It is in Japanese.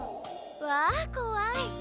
わこわい。